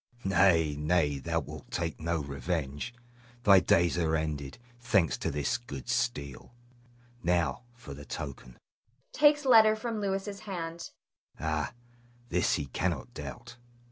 Nay, nay, thou wilt take no revenge; thy days are ended, thanks to this good steel. Now, for the token [takes letter from Louis's hand]. Ah, this he cannot doubt.